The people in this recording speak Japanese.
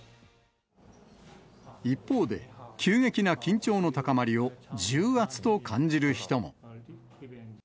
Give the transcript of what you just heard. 一方で、急激な緊張の高まりを重圧と感じる人も。